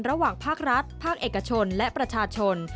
ระหว่างภาครัฐภาคเอกชนและประชาชน